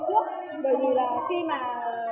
chuyên về phụ trách về lớp một